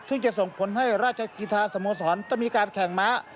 ซึ่งจะส่งผลให้ราชกิจาสโมสรต้องมีการแข่งม้า